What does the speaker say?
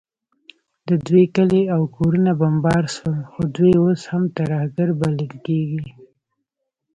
د دوی کلي او کورونه بمبار سول، خو دوی اوس هم ترهګر بلل کیږي